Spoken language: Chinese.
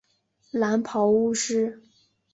蓝袍巫师。